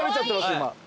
今。